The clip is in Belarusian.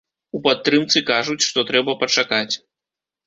У падтрымцы кажуць, што трэба пачакаць.